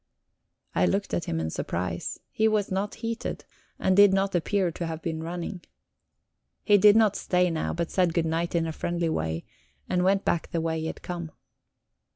I looked at him in surprise; he was not heated, and did not appear to have been running. He did not stay now, but said good night in a friendly way, and went back the way he had come.